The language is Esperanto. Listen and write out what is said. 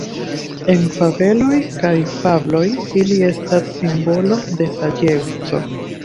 En fabeloj kaj fabloj ili estas simbolo de saĝeco.